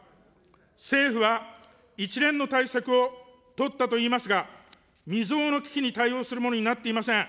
政府は一連の対策を取ったといいますが、未曽有の危機に対応するものになっていません。